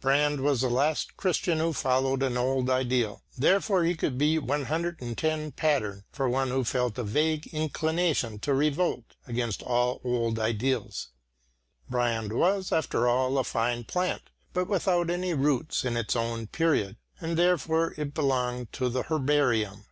Brand was the last Christian who followed an old ideal, therefore he could be 110 pattern for one who felt a vague inclination to revolt against all old ideals. Brand after all was a fine plant, but without any roots in its own period; and, therefore, it belonged to the herbarium.